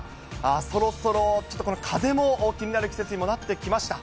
そろそろちょっと風も気になる季節にもなってきました。